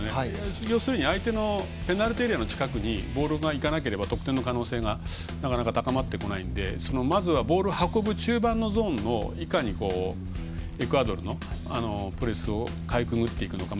要するに相手のペナルティーエリアの近くにボールがいかなければ得点の可能性がなかなか高まってこないのでまずはボールを運ぶ中盤のゾーンでいかにエクアドルのプレスをかいくぐっていくのか。